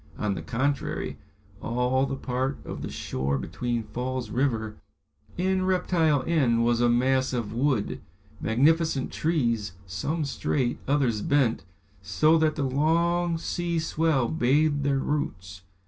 On the contrary, all the part of the shore between Falls River and Reptile End was a mass of wood, magnificent trees, some straight, others bent, so that the long sea swell bathed their roots.